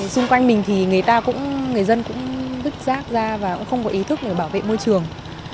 xung quanh mình thì người ta cũng người dân cũng vứt rác ra và cũng không có ý thức để bảo vệ môi trường